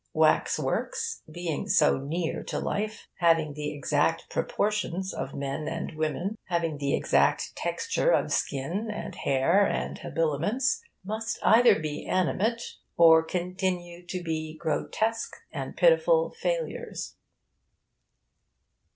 Wax works, being so near to life, having the exact proportions of men and women, having the exact texture of skin and hair and habiliments, must either be made animate or continue to be grotesque and pitiful failures.